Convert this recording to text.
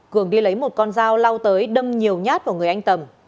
cường đi lấy một con dao lao tới đâm nhiều nhát vào người anh tầm